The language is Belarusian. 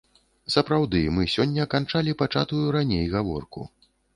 Сапраўды, мы сёння канчалі пачатую раней гаворку.